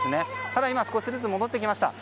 ただ、今は少しずつ戻ってきました。